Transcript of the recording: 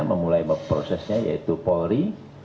memulai memprosesnya yaitu polri